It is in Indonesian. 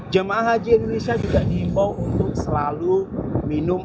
jemaah haji indonesia juga diimbau untuk selalu minum